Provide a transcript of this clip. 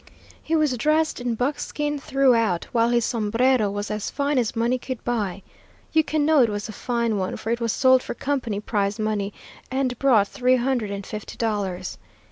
He was dressed in buckskin throughout, while his sombrero was as fine as money could buy. You can know it was a fine one, for it was sold for company prize money, and brought three hundred and fifty dollars.